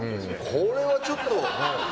これはちょっと。